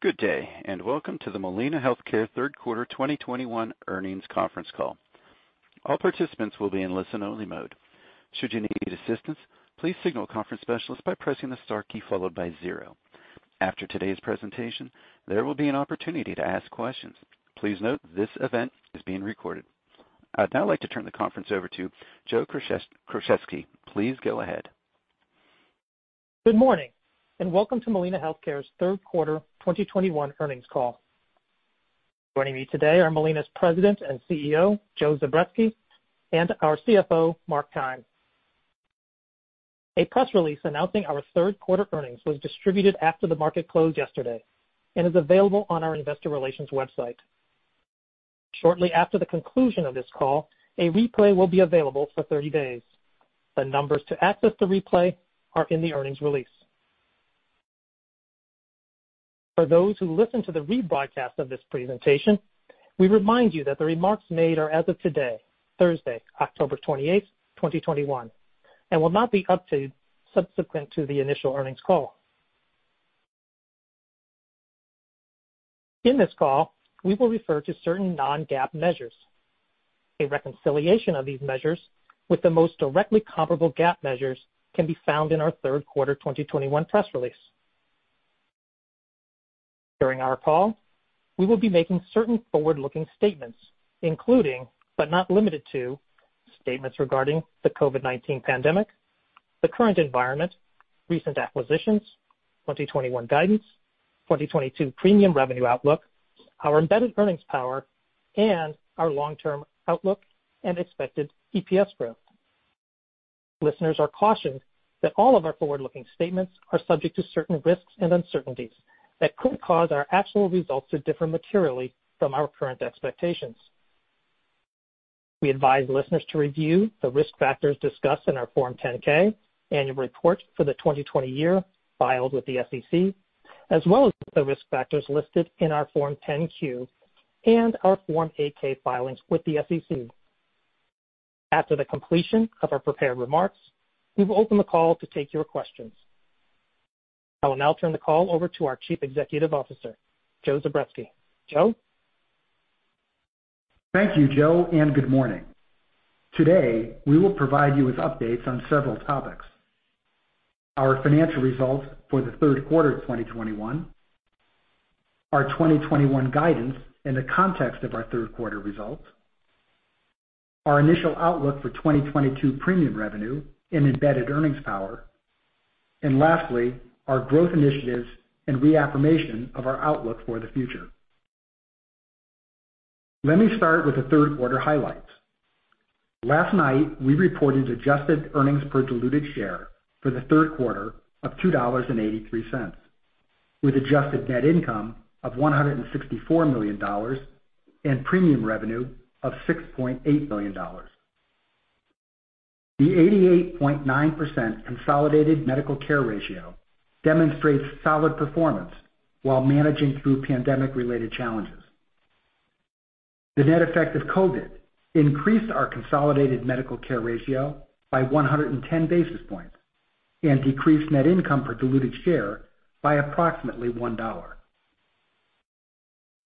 Good day, and welcome to the Molina Healthcare third quarter 2021 earnings conference call. All participants will be in listen-only mode. Should you need assistance, please signal conference specialist by pressing the star key followed by zero. After today's presentation, there will be an opportunity to ask questions. Please note this event is being recorded. I'd now like to turn the conference over to Joe Krocheski. Please go ahead. Good morning, and welcome to Molina Healthcare's third quarter 2021 earnings call. Joining me today are Molina's President and CEO, Joe Zubretsky, and our CFO, Mark Keim. A press release announcing our third quarter earnings was distributed after the market closed yesterday and is available on our investor relations website. Shortly after the conclusion of this call, a replay will be available for 30 days. The numbers to access the replay are in the earnings release. For those who listen to the rebroadcast of this presentation, we remind you that the remarks made are as of today, Thursday, October 28, 2021, and will not be updated subsequent to the initial earnings call. In this call, we will refer to certain non-GAAP measures. A reconciliation of these measures with the most directly comparable GAAP measures can be found in our third quarter 2021 press release. During our call, we will be making certain forward-looking statements, including, but not limited to, statements regarding the COVID-19 pandemic, the current environment, recent acquisitions, 2021 guidance, 2022 premium revenue outlook, our embedded earnings power, and our long-term outlook and expected EPS growth. Listeners are cautioned that all of our forward-looking statements are subject to certain risks and uncertainties that could cause our actual results to differ materially from our current expectations. We advise listeners to review the risk factors discussed in our Form 10-K annual report for the 2020 year filed with the SEC, as well as the risk factors listed in our Form 10-Q and our Form 8-K filings with the SEC. After the completion of our prepared remarks, we will open the call to take your questions. I will now turn the call over to our Chief Executive Officer, Joe Zubretsky. Joe? Thank you, Joe, and good morning. Today, we will provide you with updates on several topics: our financial results for the third quarter of 2021, our 2021 guidance in the context of our third quarter results, our initial outlook for 2022 premium revenue and embedded earnings power, and lastly, our growth initiatives and reaffirmation of our outlook for the future. Let me start with the third quarter highlights. Last night, we reported adjusted earnings per diluted share for the third quarter of $2.83, with adjusted net income of $164 million and premium revenue of $6.8 billion. The 88.9% consolidated medical care ratio demonstrates solid performance while managing through pandemic-related challenges. The net effect of COVID increased our consolidated medical care ratio by 110 basis points and decreased net income per diluted share by approximately $1.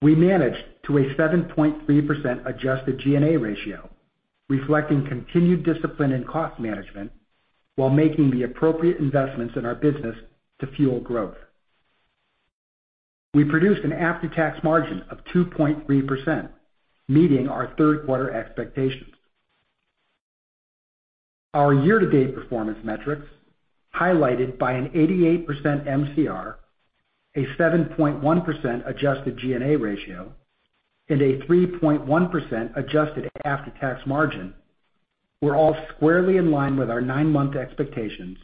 We managed to a 7.3% adjusted G&A ratio, reflecting continued discipline in cost management while making the appropriate investments in our business to fuel growth. We produced an after-tax margin of 2.3%, meeting our third quarter expectations. Our year-to-date performance metrics highlighted by an 88% MCR, a 7.1% adjusted G&A ratio, and a 3.1% adjusted after-tax margin were all squarely in line with our nine-month expectations,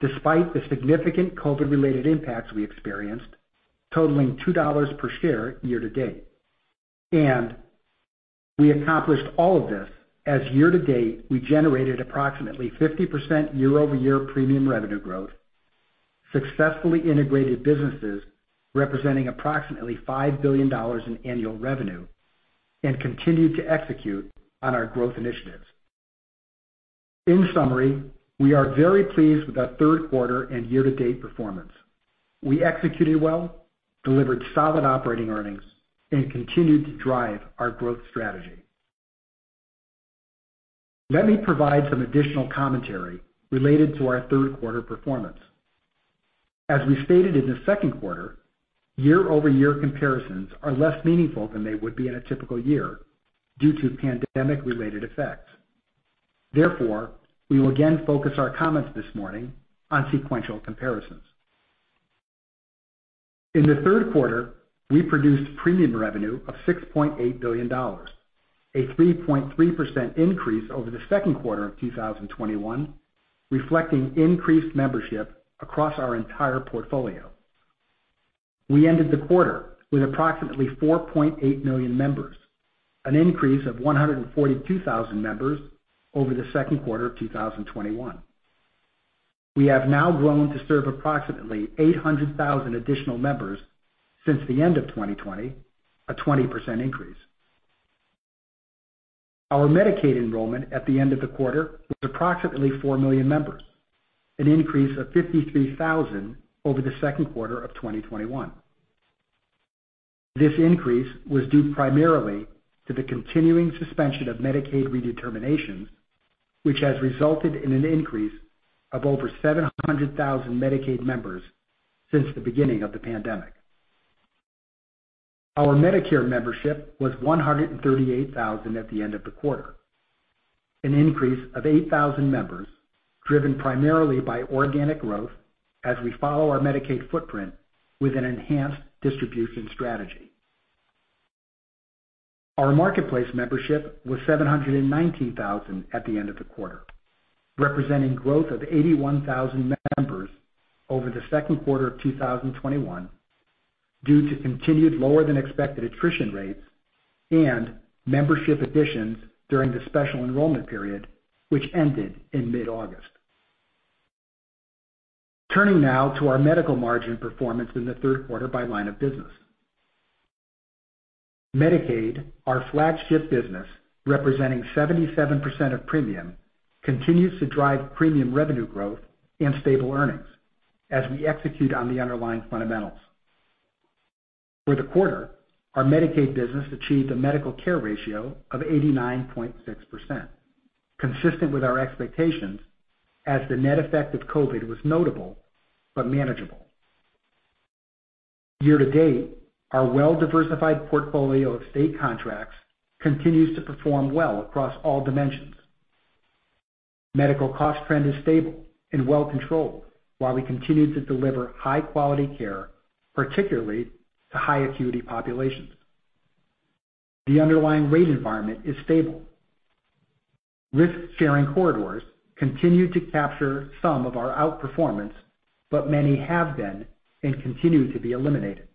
despite the significant COVID-related impacts we experienced, totaling $2 per share year-to-date, and we accomplished all of this as year-to-date we generated approximately 50% year-over-year premium revenue growth, successfully integrated businesses representing approximately $5 billion in annual revenue, and continued to execute on our growth initiatives. In summary, we are very pleased with our third quarter and year-to-date performance. We executed well, delivered solid operating earnings, and continued to drive our growth strategy. Let me provide some additional commentary related to our third quarter performance. As we stated in the second quarter, year-over-year comparisons are less meaningful than they would be in a typical year due to pandemic-related effects. Therefore, we will again focus our comments this morning on sequential comparisons. In the third quarter, we produced premium revenue of $6.8 billion, a 3.3% increase over the second quarter of 2021, reflecting increased membership across our entire portfolio. We ended the quarter with approximately 4.8 million members, an increase of 142,000 members over the second quarter of 2021. We have now grown to serve approximately 800,000 additional members since the end of 2020, a 20% increase. Our Medicaid enrollment at the end of the quarter was approximately four million members, an increase of 53,000 over the second quarter of 2021. This increase was due primarily to the continuing suspension of Medicaid redeterminations, which has resulted in an increase of over 700,000 Medicaid members since the beginning of the pandemic. Our Medicare membership was 138,000 at the end of the quarter, an increase of 8,000 members driven primarily by organic growth as we follow our Medicaid footprint with an enhanced distribution strategy. Our Marketplace membership was 719,000 at the end of the quarter, representing growth of 81,000 members over the second quarter of 2021 due to continued lower-than-expected attrition rates and membership additions during the Special Enrollment Period, which ended in mid-August. Turning now to our medical margin performance in the third quarter by line of business. Medicaid, our flagship business representing 77% of premium, continues to drive premium revenue growth and stable earnings as we execute on the underlying fundamentals. For the quarter, our Medicaid business achieved a medical care ratio of 89.6%, consistent with our expectations as the net effect of COVID was notable but manageable. Year-to-date, our well-diversified portfolio of state contracts continues to perform well across all dimensions. Medical cost trend is stable and well-controlled while we continue to deliver high-quality care, particularly to high-acuity populations. The underlying rate environment is stable. Risk-sharing corridors continue to capture some of our outperformance, but many have been and continue to be eliminated.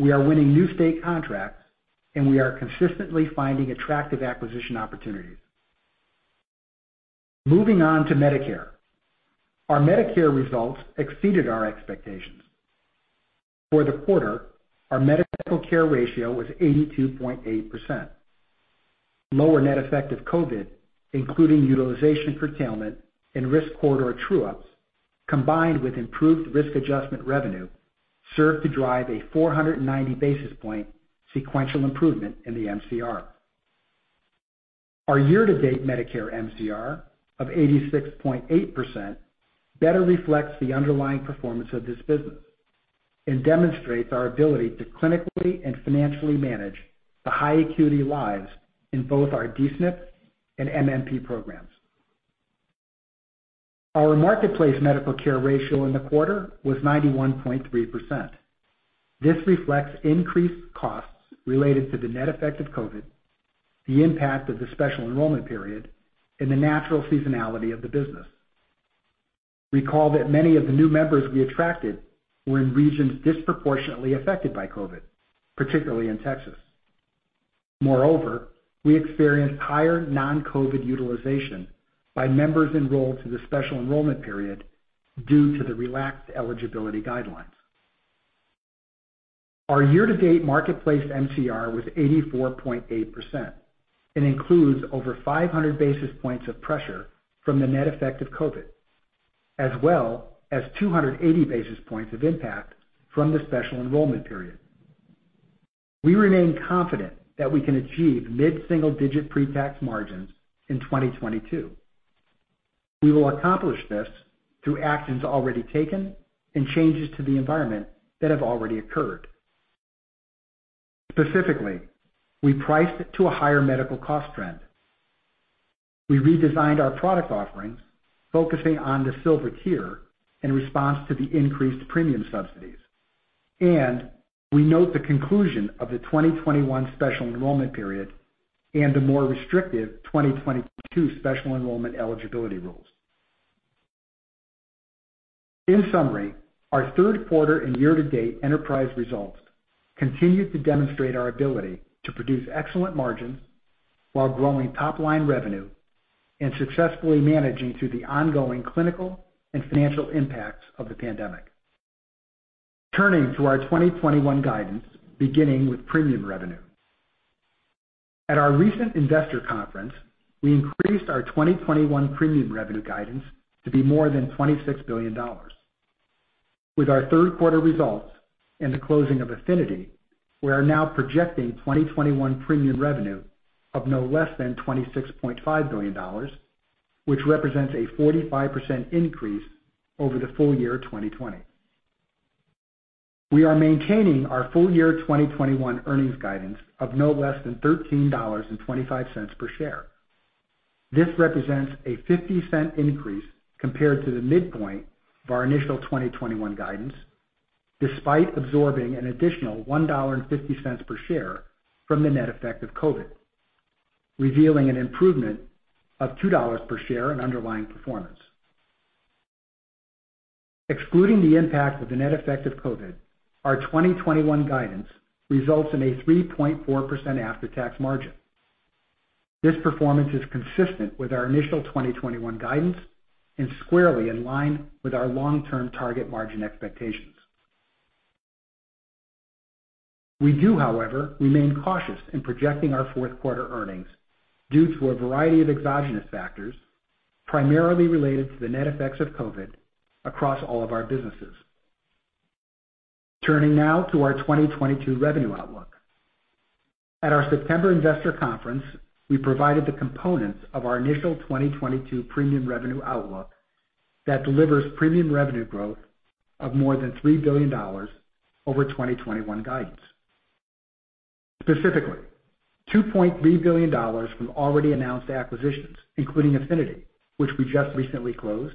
We are winning new state contracts, and we are consistently finding attractive acquisition opportunities. Moving on to Medicare. Our Medicare results exceeded our expectations. For the quarter, our medical care ratio was 82.8%. Lower net effect of COVID, including utilization curtailment and risk corridor true-ups, combined with improved risk adjustment revenue, served to drive a 490 basis points sequential improvement in the MCR. Our year-to-date Medicare MCR of 86.8% better reflects the underlying performance of this business and demonstrates our ability to clinically and financially manage the high-acuity lives in both our D-SNP and MMP programs. Our Marketplace medical care ratio in the quarter was 91.3%. This reflects increased costs related to the net effect of COVID, the impact of the Special Enrollment Period, and the natural seasonality of the business. Recall that many of the new members we attracted were in regions disproportionately affected by COVID, particularly in Texas. Moreover, we experienced higher non-COVID utilization by members enrolled to the Special Enrollment Period due to the relaxed eligibility guidelines. Our year-to-date Marketplace MCR was 84.8% and includes over 500 basis points of pressure from the net effect of COVID, as well as 280 basis points of impact from the Special Enrollment Period. We remain confident that we can achieve mid-single-digit pre-tax margins in 2022. We will accomplish this through actions already taken and changes to the environment that have already occurred. Specifically, we priced to a higher medical cost trend. We redesigned our product offerings, focusing on the Silver Tier in response to the increased premium subsidies, and we note the conclusion of the 2021 Special Enrollment Period and the more restrictive 2022 special enrollment eligibility rules. In summary, our third quarter and year-to-date enterprise results continue to demonstrate our ability to produce excellent margins while growing top-line revenue and successfully managing through the ongoing clinical and financial impacts of the pandemic. Turning to our 2021 guidance, beginning with premium revenue. At our recent investor conference, we increased our 2021 premium revenue guidance to be more than $26 billion. With our third quarter results and the closing of Affinity, we are now projecting 2021 premium revenue of no less than $26.5 billion, which represents a 45% increase over the full year of 2020. We are maintaining our full year 2021 earnings guidance of no less than $13.25 per share. This represents a $0.50 increase compared to the midpoint of our initial 2021 guidance, despite absorbing an additional $1.50 per share from the net effect of COVID, revealing an improvement of $2 per share in underlying performance. Excluding the impact of the net effect of COVID, our 2021 guidance results in a 3.4% after-tax margin. This performance is consistent with our initial 2021 guidance and squarely in line with our long-term target margin expectations. We do, however, remain cautious in projecting our fourth quarter earnings due to a variety of exogenous factors primarily related to the net effects of COVID across all of our businesses. Turning now to our 2022 revenue outlook. At our September investor conference, we provided the components of our initial 2022 premium revenue outlook that delivers premium revenue growth of more than $3 billion over 2021 guidance. Specifically, $2.3 billion from already announced acquisitions, including Affinity, which we just recently closed,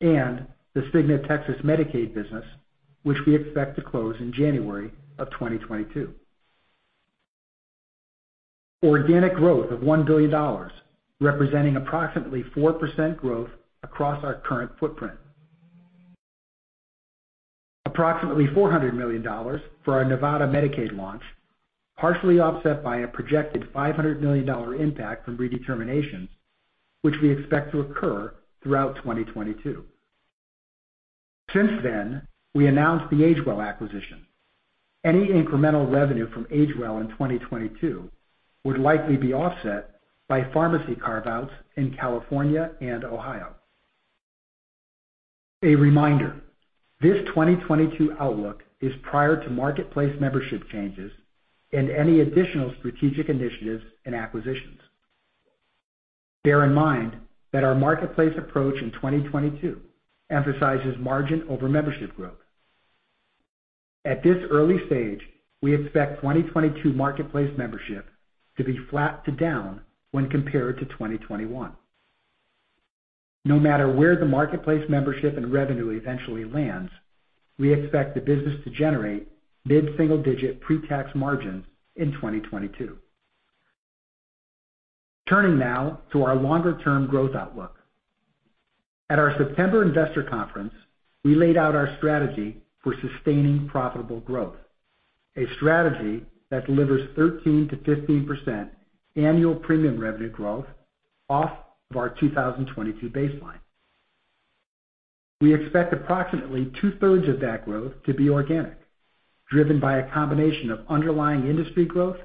and the Cigna Texas Medicaid business, which we expect to close in January of 2022. Organic growth of $1 billion, representing approximately 4% growth across our current footprint. Approximately $400 million for our Nevada Medicaid launch, partially offset by a projected $500 million impact from redeterminations, which we expect to occur throughout 2022. Since then, we announced the AgeWell acquisition. Any incremental revenue from AgeWell in 2022 would likely be offset by pharmacy carve-outs in California and Ohio. A reminder, this 2022 outlook is prior to Marketplace membership changes and any additional strategic initiatives and acquisitions. Bear in mind that our Marketplace approach in 2022 emphasizes margin over membership growth. At this early stage, we expect 2022 Marketplace membership to be flat to down when compared to 2021. No matter where the Marketplace membership and revenue eventually lands, we expect the business to generate mid-single-digit pre-tax margins in 2022. Turning now to our longer-term growth outlook. At our September investor conference, we laid out our strategy for sustaining profitable growth, a strategy that delivers 13%-15% annual premium revenue growth off of our 2022 baseline. We expect approximately two-thirds of that growth to be organic, driven by a combination of underlying industry growth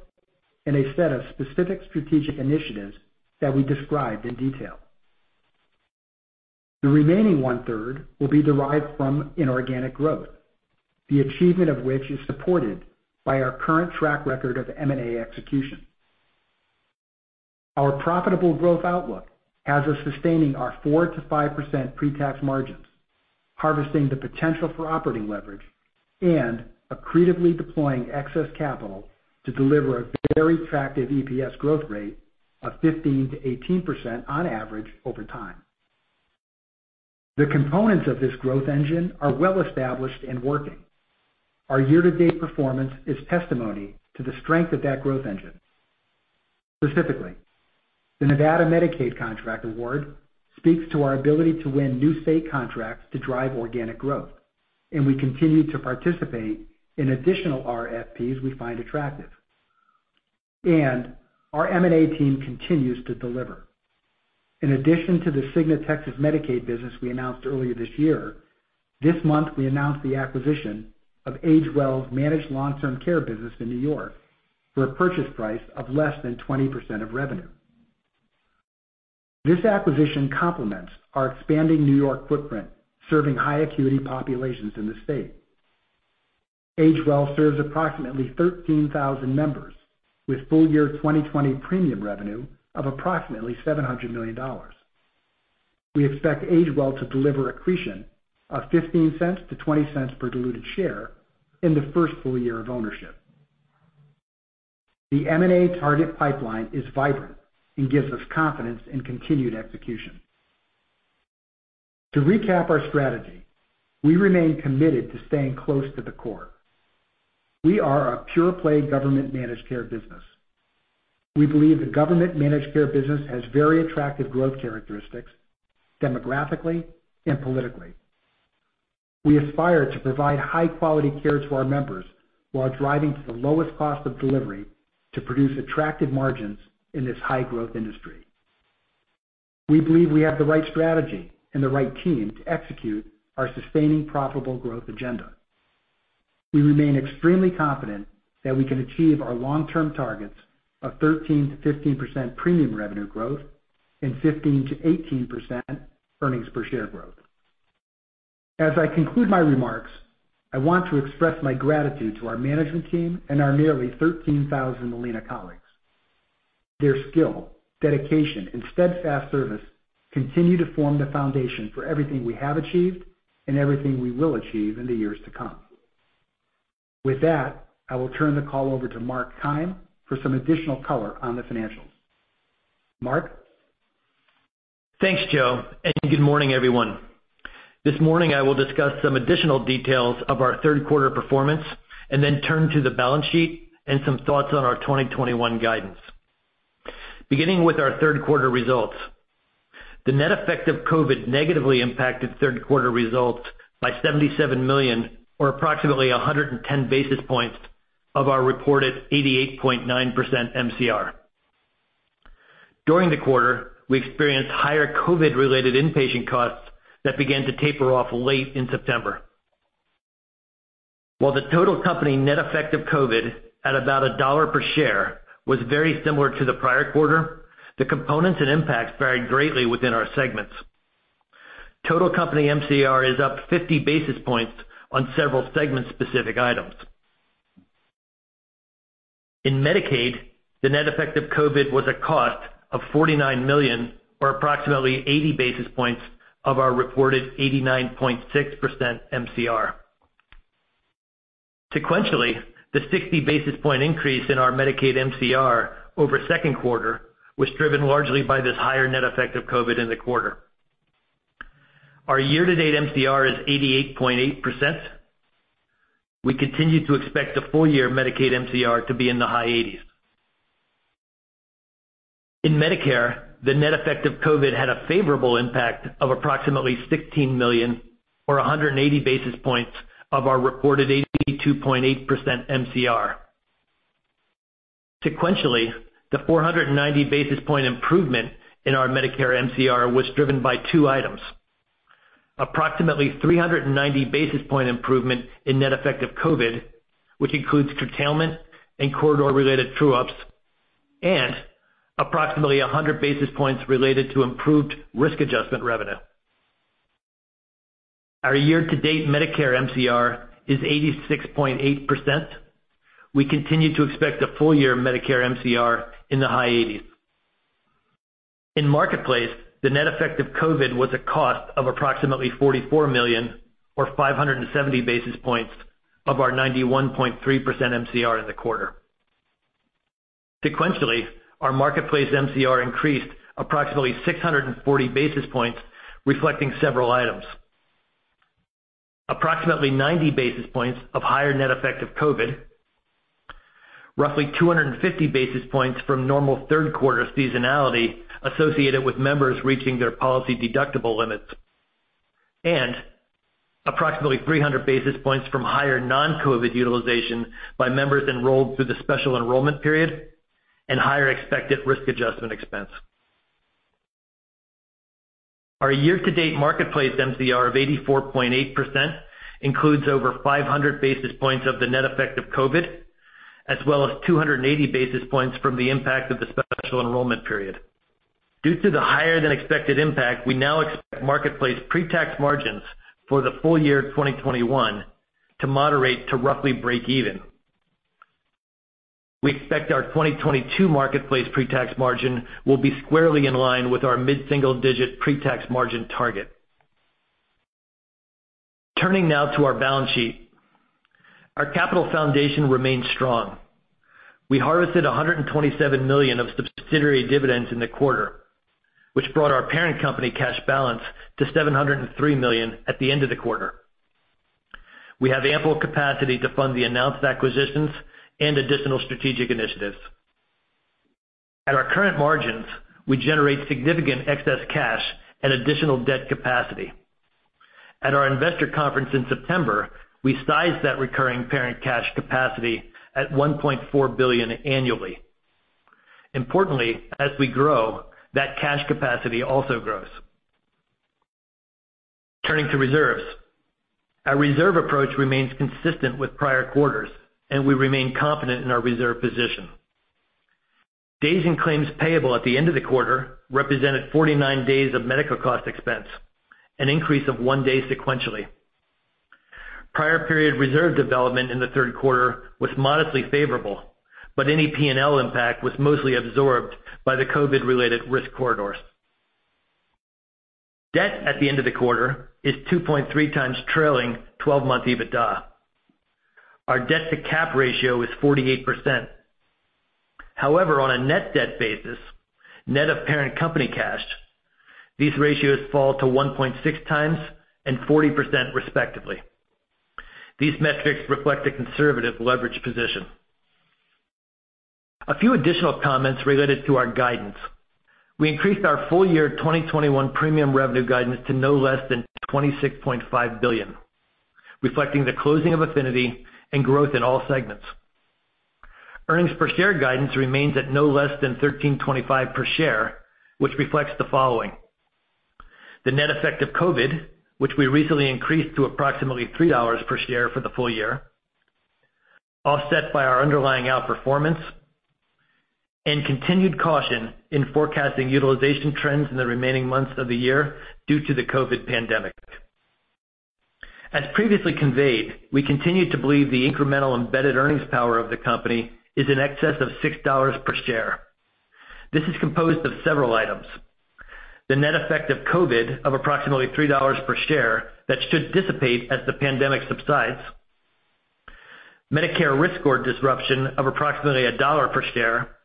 and a set of specific strategic initiatives that we described in detail. The remaining one-third will be derived from inorganic growth, the achievement of which is supported by our current track record of M&A execution. Our profitable growth outlook has us sustaining our 4%-5% pre-tax margins, harvesting the potential for operating leverage, and accretively deploying excess capital to deliver a very attractive EPS growth rate of 15%-18% on average over time. The components of this growth engine are well-established and working. Our year-to-date performance is testimony to the strength of that growth engine. Specifically, the Nevada Medicaid contract award speaks to our ability to win new state contracts to drive organic growth, and we continue to participate in additional RFPs we find attractive. Our M&A team continues to deliver. In addition to the Cigna Texas Medicaid business we announced earlier this year, this month we announced the acquisition of AgeWell's managed long-term care business in New York for a purchase price of less than 20% of revenue. This acquisition complements our expanding New York footprint, serving high-acuity populations in the state. AgeWell serves approximately 13,000 members, with full year 2020 premium revenue of approximately $700 million. We expect AgeWell to deliver accretion of $0.15-$0.20 per diluted share in the first full year of ownership. The M&A target pipeline is vibrant and gives us confidence in continued execution. To recap our strategy, we remain committed to staying close to the core. We are a pure-play government managed care business. We believe the government managed care business has very attractive growth characteristics demographically and politically. We aspire to provide high-quality care to our members while driving to the lowest cost of delivery to produce attractive margins in this high-growth industry. We believe we have the right strategy and the right team to execute our sustaining profitable growth agenda. We remain extremely confident that we can achieve our long-term targets of 13%-15% premium revenue growth and 15%-18% earnings per share growth. As I conclude my remarks, I want to express my gratitude to our management team and our nearly 13,000 Molina colleagues. Their skill, dedication, and steadfast service continue to form the foundation for everything we have achieved and everything we will achieve in the years to come. With that, I will turn the call over to Mark Keim for some additional color on the financials. Mark. Thanks, Joe, and good morning, everyone. This morning, I will discuss some additional details of our third quarter performance and then turn to the balance sheet and some thoughts on our 2021 guidance. Beginning with our third quarter results, the net effect of COVID negatively impacted third quarter results by $77 million, or approximately 110 basis points of our reported 88.9% MCR. During the quarter, we experienced higher COVID-related inpatient costs that began to taper off late in September. While the total company net effect of COVID at about $1 per share was very similar to the prior quarter, the components and impacts varied greatly within our segments. Total company MCR is up 50 basis points on several segment-specific items. In Medicaid, the net effect of COVID was a cost of $49 million, or approximately 80 basis points of our reported 89.6% MCR. Sequentially, the 60 basis point increase in our Medicaid MCR over second quarter was driven largely by this higher net effect of COVID in the quarter. Our year-to-date MCR is 88.8%. We continue to expect the full year Medicaid MCR to be in the high 80s. In Medicare, the net effect of COVID had a favorable impact of approximately $16 million, or 180 basis points of our reported 82.8% MCR. Sequentially, the 490 basis point improvement in our Medicare MCR was driven by two items: approximately 390 basis point improvement in net effect of COVID, which includes curtailment and corridor-related true-ups, and approximately 100 basis points related to improved risk adjustment revenue. Our year-to-date Medicare MCR is 86.8%. We continue to expect a full year Medicare MCR in the high 80s. In Marketplace, the net effect of COVID was a cost of approximately $44 million, or 570 basis points of our 91.3% MCR in the quarter. Sequentially, our Marketplace MCR increased approximately 640 basis points, reflecting several items: approximately 90 basis points of higher net effect of COVID, roughly 250 basis points from normal third quarter seasonality associated with members reaching their policy deductible limits, and approximately 300 basis points from higher non-COVID utilization by members enrolled through the Special Enrollment Period and higher expected risk adjustment expense. Our year-to-date Marketplace MCR of 84.8% includes over 500 basis points of the net effect of COVID, as well as 280 basis points from the impact of the Special Enrollment Period. Due to the higher-than-expected impact, we now expect Marketplace pre-tax margins for the full year 2021 to moderate to roughly break even. We expect our 2022 Marketplace pre-tax margin will be squarely in line with our mid-single-digit pre-tax margin target. Turning now to our balance sheet, our capital foundation remains strong. We harvested $127 million of subsidiary dividends in the quarter, which brought our parent company cash balance to $703 million at the end of the quarter. We have ample capacity to fund the announced acquisitions and additional strategic initiatives. At our current margins, we generate significant excess cash and additional debt capacity. At our investor conference in September, we sized that recurring parent cash capacity at $1.4 billion annually. Importantly, as we grow, that cash capacity also grows. Turning to reserves, our reserve approach remains consistent with prior quarters, and we remain confident in our reserve position. Days in claims payable at the end of the quarter represented 49 days of medical cost expense, an increase of one day sequentially. Prior period reserve development in the third quarter was modestly favorable, but any P&L impact was mostly absorbed by the COVID-related risk corridors. Debt at the end of the quarter is 2.3x trailing 12-month EBITDA. Our debt-to-cap ratio is 48%. However, on a net debt basis, net of parent company cash, these ratios fall to 1.6x and 40% respectively. These metrics reflect a conservative leverage position. A few additional comments related to our guidance. We increased our full year 2021 premium revenue guidance to no less than $26.5 billion, reflecting the closing of Affinity and growth in all segments. Earnings per share guidance remains at no less than 13.25 per share, which reflects the following: the net effect of COVID, which we recently increased to approximately $3 per share for the full year, offset by our underlying outperformance, and continued caution in forecasting utilization trends in the remaining months of the year due to the COVID pandemic. As previously conveyed, we continue to believe the incremental embedded earnings power of the company is in excess of $6 per share. This is composed of several items: the net effect of COVID of approximately $3 per share that should dissipate as the pandemic subsides, Medicare risk or disruption of approximately $1 per share,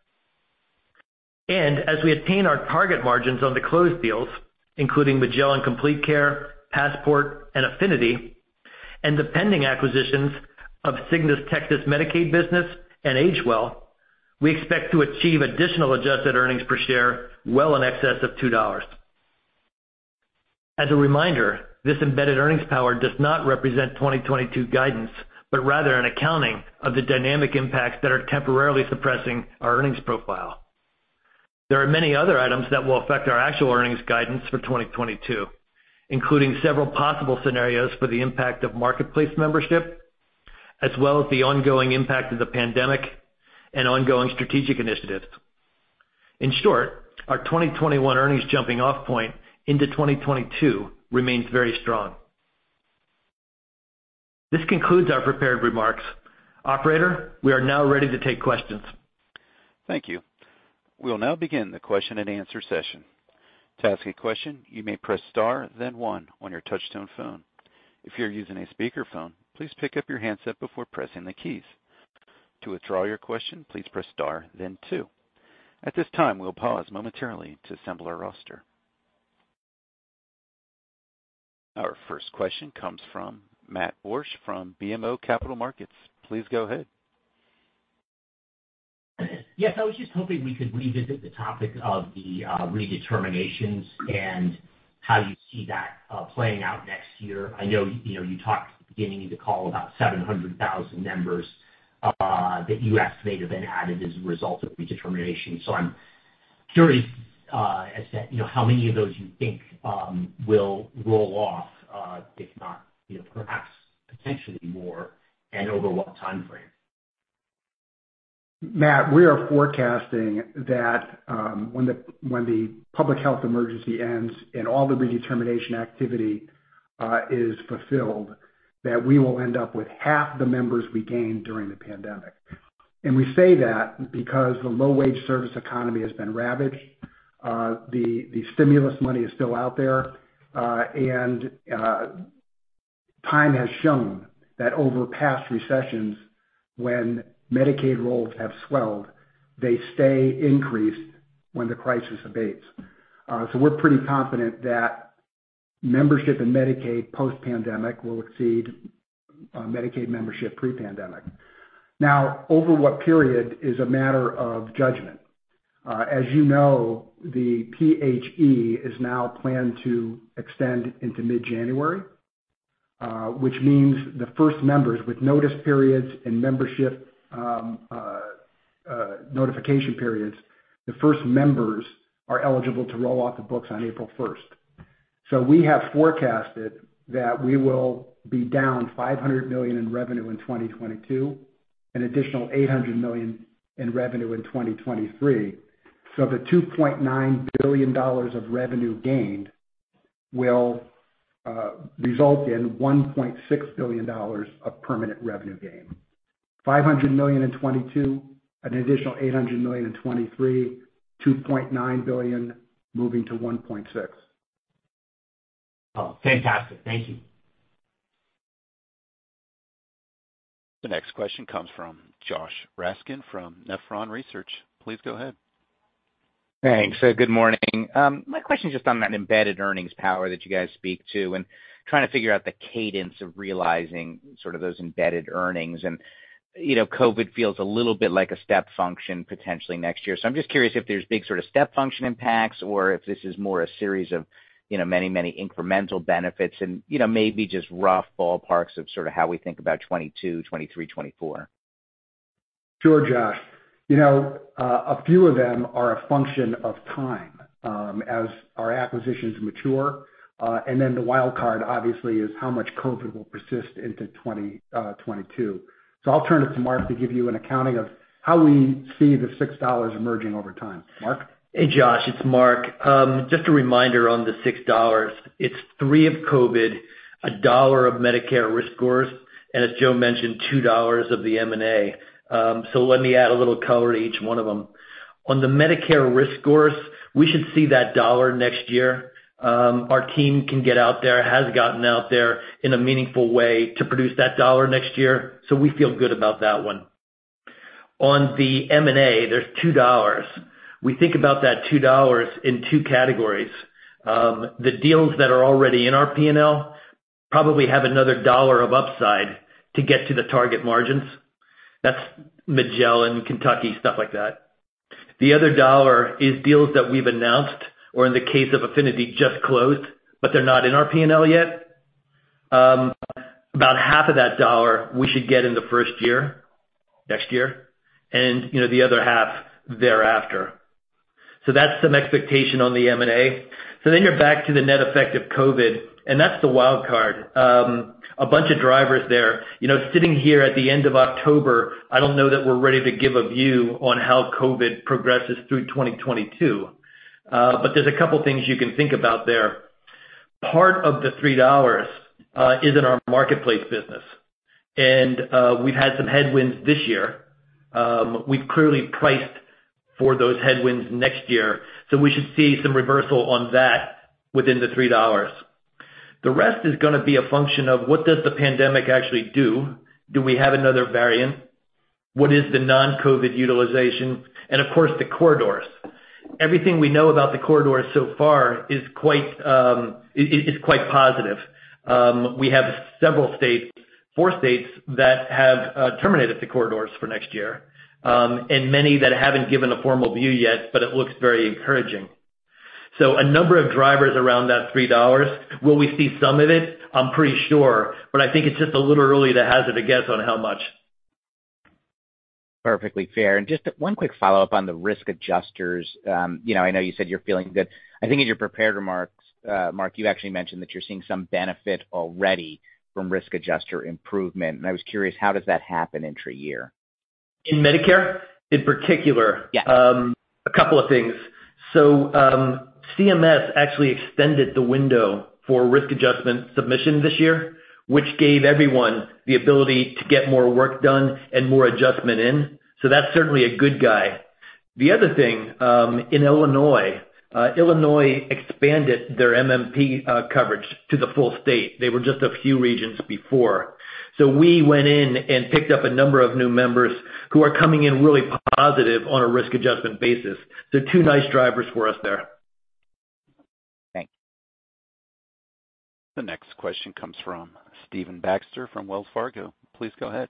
and as we attain our target margins on the closed deals, including Magellan Complete Care, Passport, and Affinity, and the pending acquisitions of Cigna's Texas Medicaid business and AgeWell, we expect to achieve additional adjusted earnings per share well in excess of $2. As a reminder, this embedded earnings power does not represent 2022 guidance, but rather an accounting of the dynamic impacts that are temporarily suppressing our earnings profile. There are many other items that will affect our actual earnings guidance for 2022, including several possible scenarios for the impact of Marketplace membership, as well as the ongoing impact of the pandemic and ongoing strategic initiatives. In short, our 2021 earnings jumping-off point into 2022 remains very strong. This concludes our prepared remarks. Operator, we are now ready to take questions. Thank you. We'll now begin the question and answer session. To ask a question, you may press star, then one on your touch-tone phone. If you're using a speakerphone, please pick up your handset before pressing the keys. To withdraw your question, please press star, then two. At this time, we'll pause momentarily to assemble our roster. Our first question comes from Matt Borsch from BMO Capital Markets. Please go ahead. Yes, I was just hoping we could revisit the topic of the redeterminations and how you see that playing out next year. I know you talked at the beginning of the call about 700,000 members that you estimate have been added as a result of redetermination. So I'm curious, as said, how many of those you think will roll off, if not perhaps potentially more, and over what time frame? Matt, we are forecasting that when the public health emergency ends and all the redetermination activity is fulfilled, that we will end up with half the members we gained during the pandemic. And we say that because the low-wage service economy has been ravaged, the stimulus money is still out there, and time has shown that over past recessions, when Medicaid rolls have swelled, they stay increased when the crisis abates. So we're pretty confident that membership in Medicaid post-pandemic will exceed Medicaid membership pre-pandemic. Now, over what period is a matter of judgment? As you know, the PHE is now planned to extend into mid-January, which means the first members with notice periods and membership notification periods, the first members are eligible to roll off the books on April 1st. So we have forecasted that we will be down $500 million in revenue in 2022 and an additional $800 million in revenue in 2023. So the $2.9 billion of revenue gained will result in $1.6 billion of permanent revenue gain. $500 million in 2022, an additional $800 million in 2023, $2.9 billion moving to $1.6 billion. Fantastic. Thank you. The next question comes from Josh Raskin from Nephron Research. Please go ahead. Thanks. Good morning. My question is just on that embedded earnings power that you guys speak to and trying to figure out the cadence of realizing sort of those embedded earnings. COVID feels a little bit like a step function potentially next year. So I'm just curious if there's big sort of step function impacts or if this is more a series of many, many incremental benefits and maybe just rough ballparks of sort of how we think about 2022, 2023, 2024. Sure, Josh. A few of them are a function of time as our acquisitions mature. Then the wildcard, obviously, is how much COVID will persist into 2022. So I'll turn it to Mark to give you an accounting of how we see the $6 emerging over time. Mark? Hey, Josh. It's Mark. Just a reminder on the $6. It's $3 of COVID, $1 of Medicare risk scores, and as Joe mentioned, $2 of the M&A. So let me add a little color to each one of them. On the Medicare risk scores, we should see that dollar next year. Our team can get out there, has gotten out there in a meaningful way to produce that dollar next year. So we feel good about that one. On the M&A, there's $2. We think about that $2 in two categories. The deals that are already in our P&L probably have another dollar of upside to get to the target margins. That's Magellan, Kentucky, stuff like that. The other dollar is deals that we've announced or, in the case of Affinity, just closed, but they're not in our P&L yet. About half of that dollar we should get in the first year, next year, and the other half thereafter. So that's some expectation on the M&A. So then you're back to the net effect of COVID, and that's the wildcard. A bunch of drivers there. Sitting here at the end of October, I don't know that we're ready to give a view on how COVID progresses through 2022, but there's a couple of things you can think about there. Part of the $3 is in our Marketplace business, and we've had some headwinds this year. We've clearly priced for those headwinds next year, so we should see some reversal on that within the $3. The rest is going to be a function of what does the pandemic actually do? Do we have another variant? What is the non-COVID utilization, and of course, the corridors. Everything we know about the corridors so far is quite positive. We have several states, four states, that have terminated the corridors for next year and many that haven't given a formal view yet, but it looks very encouraging, so a number of drivers around that $3. Will we see some of it? I'm pretty sure. But I think it's just a little early to hazard a guess on how much. Perfectly fair. And just one quick follow-up on the risk adjustment. I know you said you're feeling good. I think in your prepared remarks, Mark, you actually mentioned that you're seeing some benefit already from risk adjustment improvement. And I was curious, how does that happen entry year? In Medicare in particular? Yes. A couple of things. So CMS actually extended the window for risk adjustment submission this year, which gave everyone the ability to get more work done and more adjustment in. So that's certainly a good thing. The other thing, in Illinois, Illinois expanded their MMP coverage to the full state. They were just a few regions before. So we went in and picked up a number of new members who are coming in really positive on a risk adjustment basis. So two nice drivers for us there. Thanks. The next question comes from Stephen Baxter from Wells Fargo. Please go ahead.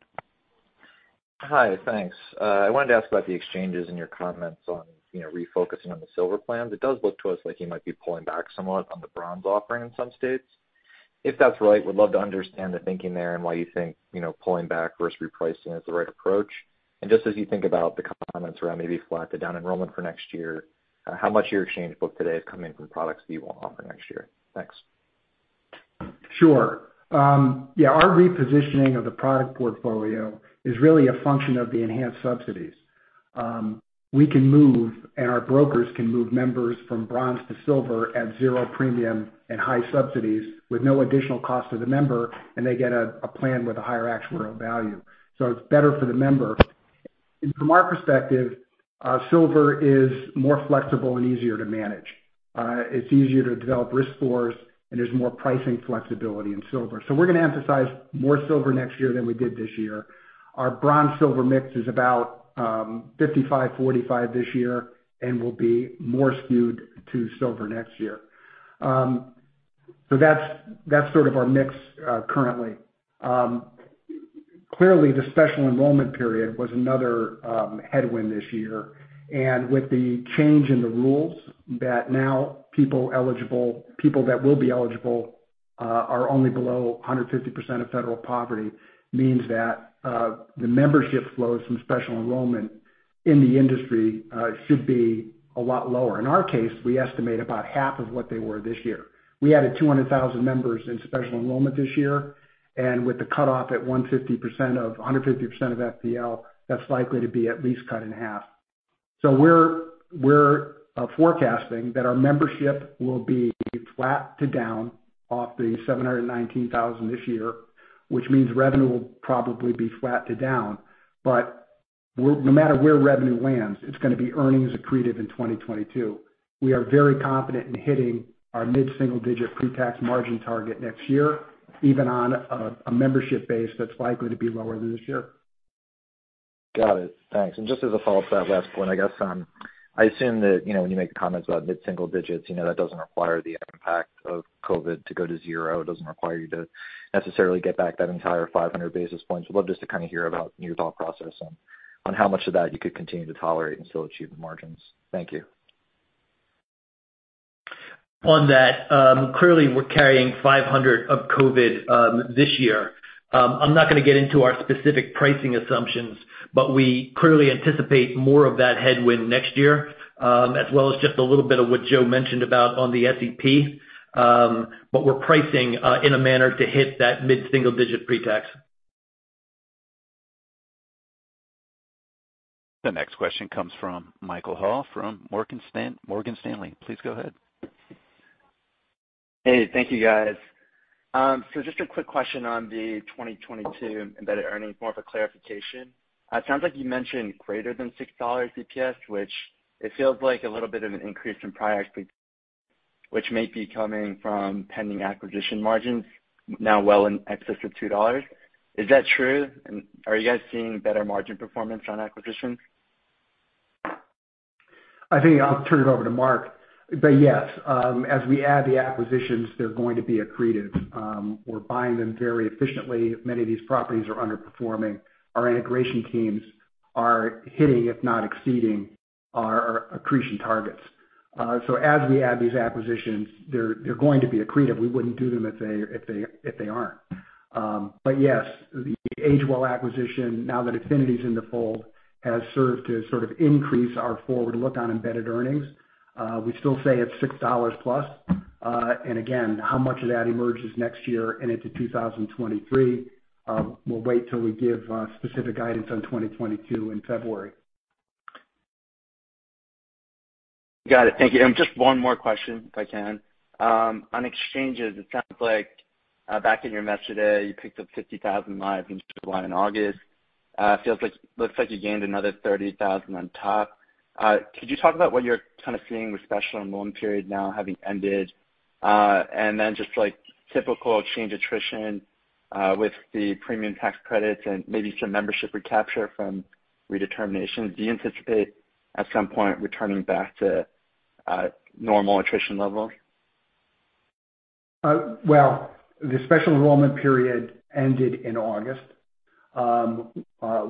Hi. Thanks. I wanted to ask about the exchanges and your comments on refocusing on the silver plans. It does look to us like you might be pulling back somewhat on the bronze offering in some states. If that's right, would love to understand the thinking there and why you think pulling back versus repricing is the right approach. And just as you think about the comments around maybe flat-to-down enrollment for next year, how much of your exchange book today is coming from products that you want to offer next year? Thanks. Sure. Yeah. Our repositioning of the product portfolio is really a function of the enhanced subsidies. We can move, and our brokers can move members from bronze to silver at zero premium and high subsidies with no additional cost to the member, and they get a plan with a higher actual value. So it's better for the member. From our perspective, silver is more flexible and easier to manage. It's easier to develop risk scores, and there's more pricing flexibility in silver. So we're going to emphasize more silver next year than we did this year. Our bronze-silver mix is about 55-45 this year and will be more skewed to silver next year. So that's sort of our mix currently. Clearly, the Special Enrollment Period was another headwind this year. With the change in the rules that now people eligible, people that will be eligible are only below 150% of federal poverty, means that the membership flows from special enrollment in the industry should be a lot lower. In our case, we estimate about half of what they were this year. We added 200,000 members in special enrollment this year. And with the cutoff at 150% of FPL, that's likely to be at least cut in half. So we're forecasting that our membership will be flat to down off the 719,000 this year, which means revenue will probably be flat to down. But no matter where revenue lands, it's going to be earnings accretive in 2022. We are very confident in hitting our mid-single-digit pre-tax margin target next year, even on a membership base that's likely to be lower than this year. Got it. Thanks. And just as a follow-up to that last point, I guess I assume that when you make the comments about mid-single digits, that doesn't require the impact of COVID to go to zero. It doesn't require you to necessarily get back that entire 500 basis points. Would love just to kind of hear about your thought process on how much of that you could continue to tolerate and still achieve the margins. Thank you. On that, clearly, we're carrying 500 of COVID this year. I'm not going to get into our specific pricing assumptions, but we clearly anticipate more of that headwind next year, as well as just a little bit of what Joe mentioned about on the SEP. But we're pricing in a manner to hit that mid-single-digit pre-tax. The next question comes from Michael Ha from Morgan Stanley. Please go ahead. Hey. Thank you, guys. Just a quick question on the 2022 embedded earnings, more of a clarification. It sounds like you mentioned greater than $6 EPS, which it feels like a little bit of an increase in prior which may be coming from pending acquisition margins now well in excess of $2. Is that true? And are you guys seeing better margin performance on acquisitions? I think I'll turn it over to Mark. But yes, as we add the acquisitions, they're going to be accretive. We're buying them very efficiently. Many of these properties are underperforming. Our integration teams are hitting, if not exceeding, our accretion targets. So as we add these acquisitions, they're going to be accretive. We wouldn't do them if they aren't. But yes, the AgeWell acquisition, now that Affinity's in the fold, has served to sort of increase our forward look on embedded earnings. We still say it's $6 plus. And again, how much of that emerges next year and into 2023, we'll wait till we give specific guidance on 2022 in February. Got it. Thank you. And just one more question, if I can. On exchanges, it sounds like back in your prepared remarks today, you picked up 50,000 lives in July and August. It looks like you gained another 30,000 on top. Could you talk about what you're kind of seeing with Special Enrollment Period now having ended? And then just typical exchange attrition with the premium tax credits and maybe some membership recapture from redeterminations. Do you anticipate at some point returning back to normal attrition levels? The Special Enrollment Period ended in August.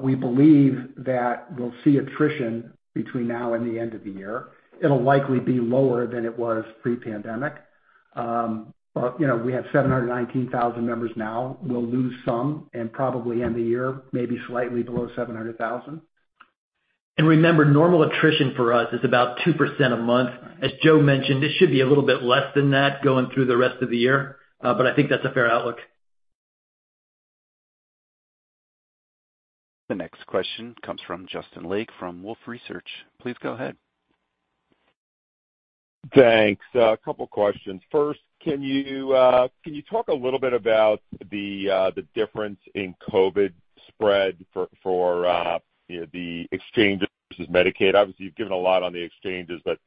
We believe that we'll see attrition between now and the end of the year. It'll likely be lower than it was pre-pandemic. But we have 719,000 members now. We'll lose some and probably end the year maybe slightly below 700,000. And remember, normal attrition for us is about 2% a month. As Joe mentioned, it should be a little bit less than that going through the rest of the year. But I think that's a fair outlook. The next question comes from Justin Lake from Wolfe Research. Please go ahead. Thanks. A couple of questions. First, can you talk a little bit about the difference in COVID spread for the exchange versus Medicaid? Obviously, you've given a lot on the exchanges, but